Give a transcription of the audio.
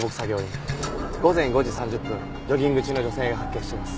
午前５時３０分ジョギング中の女性が発見しています。